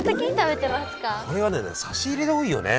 これは差し入れで多いよね！